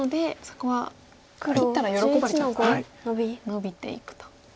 ノビていくと。